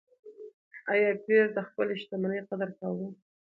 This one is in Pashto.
ایا پییر د خپلې شتمنۍ قدر کاوه؟